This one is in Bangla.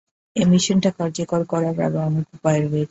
এই মিশনটা কার্যকর করার আরো অনেক উপায় রয়েছে।